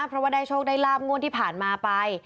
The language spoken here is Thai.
เพราะว่าได้โชคได้ลาบงวดที่ผ่านมาไป